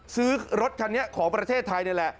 ซื้อรถคันนี้ของประเทศไทยนี่แหละ